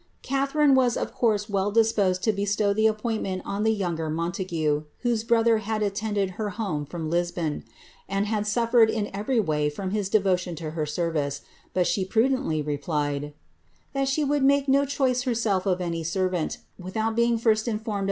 ^ Catharine was of course well disposed to bestow the appointment on the younger Montague, whose brother had attended her home from Lisbon, and had suflered in everv wav from bis devotion to her service; but she prudently replied, ^that she would make no choice herself of any servant, without being first informed of * ClHremlon.